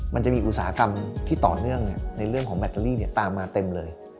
มันจะมีอุตสาหกรรมที่ต่อเนื่องในเรื่องของแบตเตอรี่ตามมาเต็มเลย